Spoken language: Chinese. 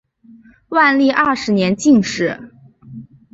万历二十年进士。